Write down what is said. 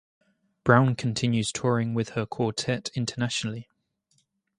Brown continues touring with her quartet internationally.